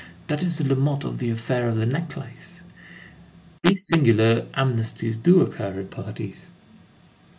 That is the Lamothe of the affair of the necklace." These singular amnesties do occur in parties.